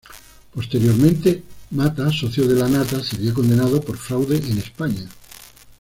Posteriormente Mata, socio de Lanata sería condenado por fraude en España.